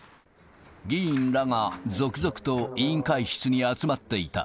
議員らが続々と委員会室に集まっていた。